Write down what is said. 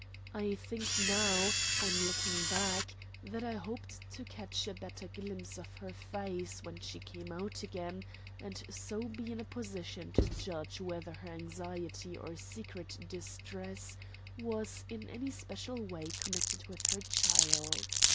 I think now, on looking back, that I hoped to catch a better glimpse of her face when she came out again, and so be in a position to judge whether her anxiety or secret distress was in any special way connected with her child.